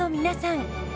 皆さん。